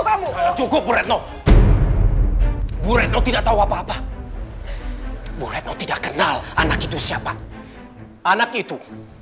kamu cukup buretno buretno tidak tahu apa apa boleh tidak kenal anak itu siapa anak itu